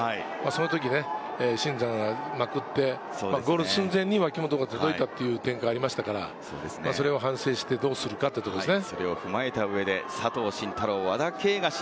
前回も一緒に走りましたので、その時、新山はまくってゴール寸前に脇本がっていう展開がありましたから、それを反省して、どうするかっていうところですね。